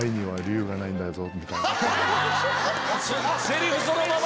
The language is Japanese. セリフそのまま！